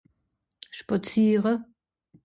spàziere